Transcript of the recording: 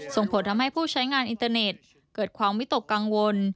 ส่งผลทำให้ผู้ใช้งานอินเตอร์เน็ตเกิดความวิตกกังวล